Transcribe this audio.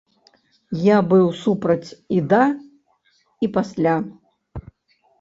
Я быў супраць і да, і пасля.